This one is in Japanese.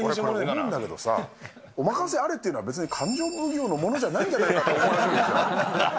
思うんだけどさ、お任せあれっていうのは別に勘定奉行のものじゃないんじゃないかと思い始め